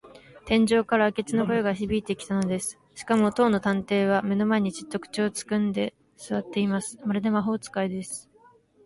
天井から明智の声がひびいてきたのです。しかも、当の探偵は目の前に、じっと口をつぐんですわっています。まるで魔法使いです。